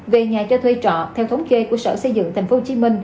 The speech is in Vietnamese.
về nhà cho thuê trọ theo thống kê của sở xây dựng tp hcm